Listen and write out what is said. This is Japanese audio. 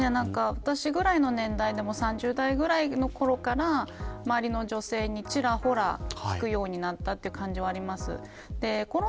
私ぐらいの年代でも３０代ぐらいのころから周りの女性に、ちらほら聞くようになった感じはあります。